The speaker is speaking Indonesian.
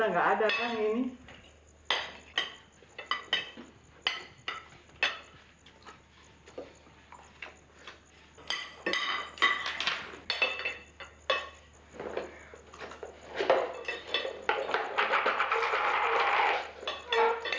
masih ada nih